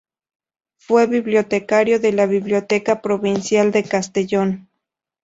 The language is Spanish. Fue bibliotecario de la Biblioteca Provincial de Castellón.